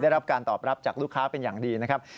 ได้รับการตอบรับจากลูกค้าเป็นอย่างดีนะครับ